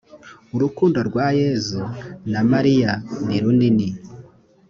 urukundo rwa yezu na mariya ni runini